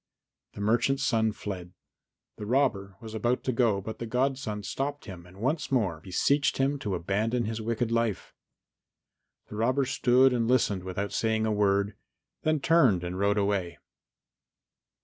The merchant's son fled. The robber was about to go, but the godson stopped him and once more beseeched him to abandon his wicked life. The robber stood and listened without saying a word, then turned and rode away.